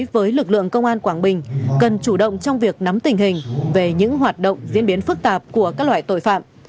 với lực lượng công an quảng bình cần chủ động trong việc nắm tình hình về những hoạt động diễn biến phức tạp của các loại tội phạm